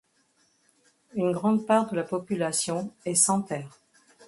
Une grande part de la population est sans-terre.